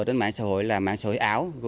trên mạng xã hội là mạng xã hội ảo